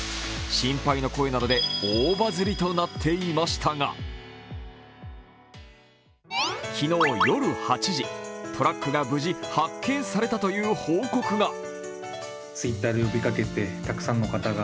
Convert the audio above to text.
心配の声などで大バズりとなっていましたが、昨日夜８時、トラックが無事、発見されたという報告が。